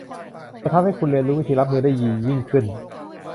จะทำให้คุณเรียนรู้วิธีรับมือได้ดียิ่งขึ้น